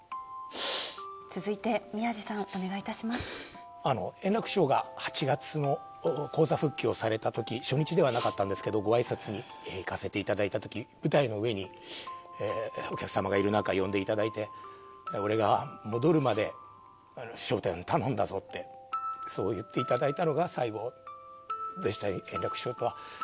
続いて宮治さん、お願いいた円楽師匠が８月の高座復帰をされたとき、初日ではなかったんですけれども、ごあいさつに行かせていただいたとき、舞台の上にお客様がいる中呼んでいただいて、俺が戻るまで笑点を頼んだぞってそう言っていただいたのが最後でした、円楽師匠とは。